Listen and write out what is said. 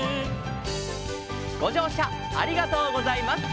「ごじょうしゃありがとうございます」